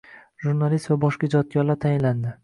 Jurnalist va boshqa ijodkorlar tayinlandi.